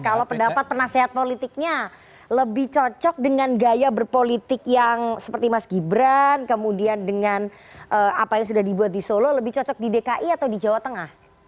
kalau pendapat penasehat politiknya lebih cocok dengan gaya berpolitik yang seperti mas gibran kemudian dengan apa yang sudah dibuat di solo lebih cocok di dki atau di jawa tengah